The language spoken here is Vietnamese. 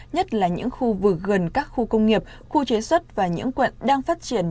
nhất là những khu vực gần các khu công nghiệp khu chế xuất và những quận đang phát triển